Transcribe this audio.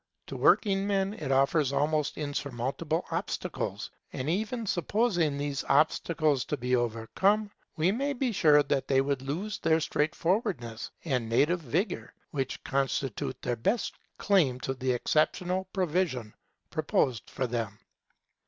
To working men it offers almost insurmountable obstacles; and even supposing these obstacles to be overcome, we may be sure that they would lose the straightforwardness and native vigour which constitute their best claim to the exceptional position proposed for them.